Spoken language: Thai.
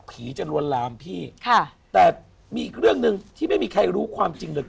จะลวนลามพี่ค่ะแต่มีอีกเรื่องหนึ่งที่ไม่มีใครรู้ความจริงเลย